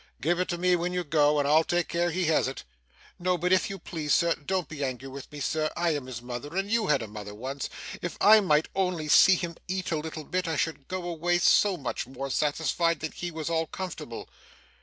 Give it to me when you go, and I'll take care he has it.' 'No, but if you please sir don't be angry with me sir I am his mother, and you had a mother once if I might only see him eat a little bit, I should go away, so much more satisfied that he was all comfortable.